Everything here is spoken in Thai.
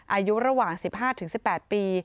อายุระหว่าง๑๕๑๘ปี